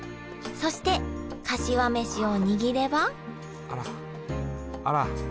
そしてかしわ飯を握ればあらあらあら。